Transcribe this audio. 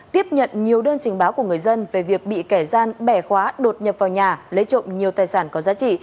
tiếp nhận nhiều đơn trình báo của người dân về việc bị kẻ gian bẻ khóa đột nhập vào nhà lấy trộm nhiều tài sản có giá trị